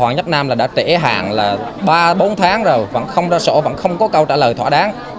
hoàng nhất nam đã trễ hàng ba bốn tháng rồi vẫn không ra sổ vẫn không có câu trả lời thỏa đáng